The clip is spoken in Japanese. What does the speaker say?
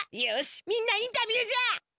よしみんなインタビューじゃ！